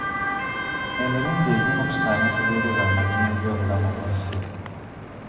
Emirundi egimu tusaana tubeere ba mazima eri obulamu bwaffe?